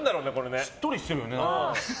しっとりしてるよね。